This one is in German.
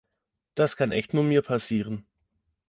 Das kann echt nur mir passieren!